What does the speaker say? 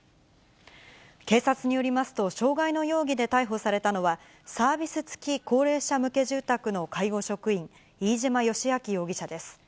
警察によりますと、傷害の容疑で逮捕されたのは、サービス付き高齢者向け住宅の介護職員、飯島義明容疑者です。